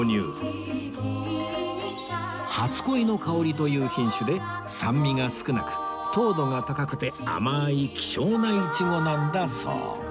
初恋の香りという品種で酸味が少なく糖度が高くて甘い希少なイチゴなんだそう